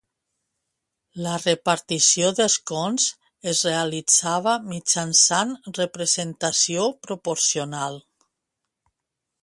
La repartició d'escons es realitzava mitjançant representació proporcional.